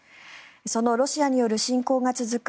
そのロシアによる侵攻が続く